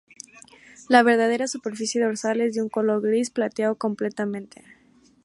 La verdadera superficie dorsal es de un color gris plateado completamente.